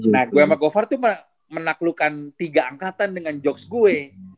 nah gue sama go far tuh menaklukkan tiga angkatan dengan jokes gue